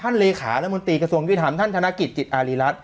ท่านเลขาและมนตรีกระทรวงพิธีฐรรมท่านธนกิจจิตอารีรัตน์